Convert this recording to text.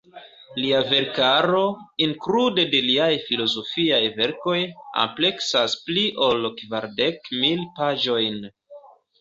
Lia verkaro, inklude de liaj filozofiaj verkoj, ampleksas pli ol kvardek mil paĝojn.